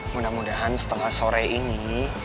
mudah mudahan setengah sore ini